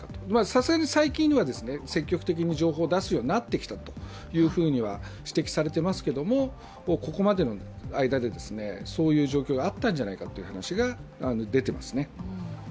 さすがに最近では積極的に情報を出すようになってきたというふうに指摘されていますけれども、ここまでの間でそういう状況があったんじゃないかという話が出てますね。